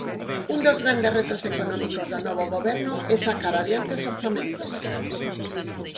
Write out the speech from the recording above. Un dos grandes retos económicos do novo Goberno é sacar adiante os orzamentos.